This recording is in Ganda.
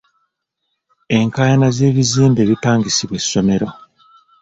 Enkaayana z'ebizimbe ebipangisibwa essomero.